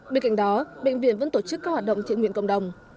bên cạnh đó bệnh viện vẫn tổ chức các hoạt động thiện nguyện cộng đồng